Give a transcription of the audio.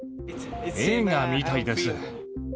映画みたいです。